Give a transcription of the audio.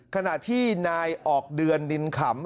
ขณะที่นายออกเดือนดินขำ